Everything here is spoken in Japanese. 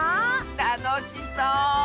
たのしそう！